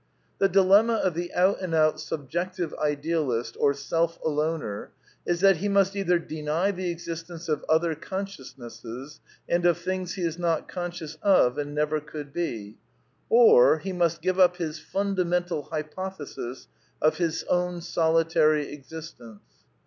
The dilem ma of the out and out Subjective Idealist, or Self Aloner, is that he must ^iJ^er deny the existence of other consciousnesses, and of things he is not conscious of and never could be ; ^r b p> must give up his fundamental hypothesis of his own solitary existence.